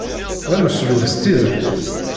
D ameslub s tidet.